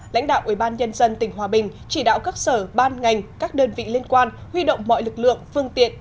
lãnh đạo ubnd tỉnh hòa bình chỉ đạo các sở ban ngành các đơn vị liên quan huy động mọi lực lượng phương tiện